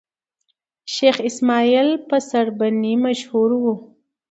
شېخ اسماعیل په سړبني مشهور وو.